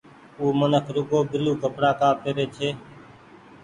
او منک رڳو بيلو ڪپڙآ ڪآ پيري ڇي۔